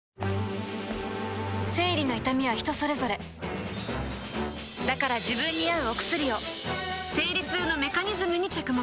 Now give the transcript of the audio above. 生理の痛みは人それぞれだから自分に合うお薬を生理痛のメカニズムに着目